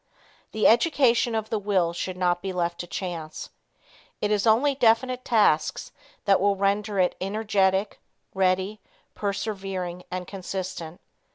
The education of the will should not be left to chance. It is only definite tasks that will render it energetic, ready, persevering and consistent.